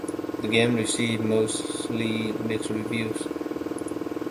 The game received mostly mixed reviews.